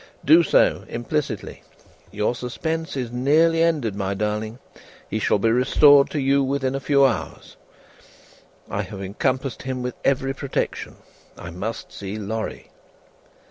"Do so, implicitly. Your suspense is nearly ended, my darling; he shall be restored to you within a few hours; I have encompassed him with every protection. I must see Lorry."